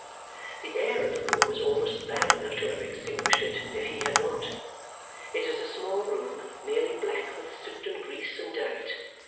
The air of the room is almost bad enough to have extinguished it if he had not. It is a small room, nearly black with soot, and grease, and dirt.